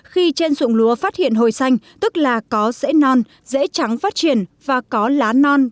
khi trên sụng lúa phát hiện hồi xanh tức là có rễ non rễ trắng phát triển và có lá non